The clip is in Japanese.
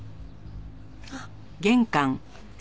あっ。